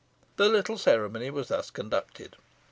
The little ceremony was thus conducted.